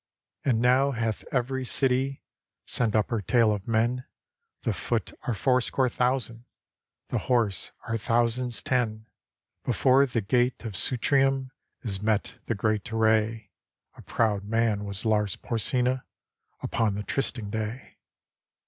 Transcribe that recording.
And now hath every city Sent up her tale of men: The foot are fourscore thousand The horse are thousands ten. Before the gate of Sutrium Is met the great array. A proud man was Lars Porsena Upon the trysting day.